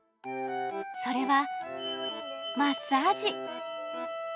それはマッサージ。